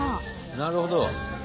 なるほど。